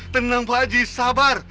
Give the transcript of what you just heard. tenang pak aji sabar